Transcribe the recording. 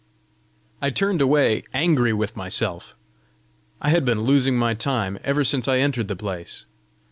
I turned away angry with myself: I had been losing my time ever since I entered the place!